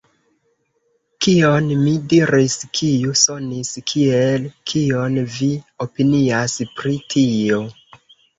Kion mi diris kiu sonis kiel “kion vi opinias pri tio”?